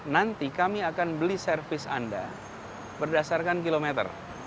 nanti kami akan beli servis anda berdasarkan kilometer